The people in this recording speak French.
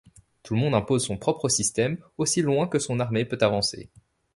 Tout le monde impose son propre système aussi loin que son armée peut avancer.